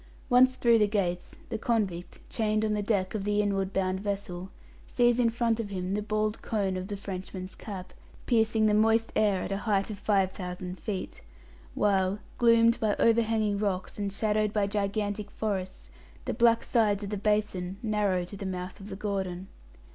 Once through the gates, the convict, chained on the deck of the inward bound vessel, sees in front of him the bald cone of the Frenchman's Cap, piercing the moist air at a height of five thousand feet; while, gloomed by overhanging rocks, and shadowed by gigantic forests, the black sides of the basin narrow to the mouth of the Gordon.